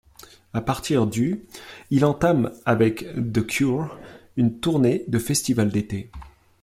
À partir du il entame avec The Cure une tournée de festival d'été.